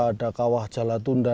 ada kawah jalatunda